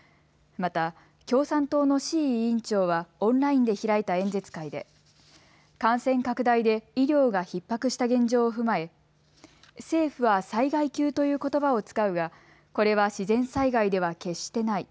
また共産党の志位委員長はオンラインで開いた演説会で感染拡大で医療がひっ迫した現状を踏まえ政府は災害級ということばを使うがこれは自然災害では決してない。